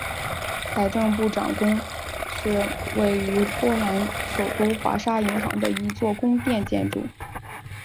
财政部长宫是位于波兰首都华沙银行广场的一座宫殿建筑。